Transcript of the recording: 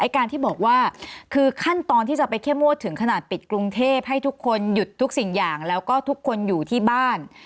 การที่บอกว่าคือขั้นตอนที่จะไปเข้มงวดถึงขนาดปิดกรุงเทพให้ทุกคนหยุดทุกสิ่งอย่างแล้วก็ทุกคนอยู่ที่บ้าน